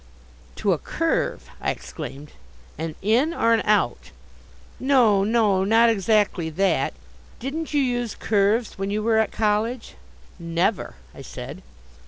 "To a Curve?" I exclaimed, "an In or an Out." "No, no, not exactly that. Didn't you use Curves when you were at college?" "Never," I said.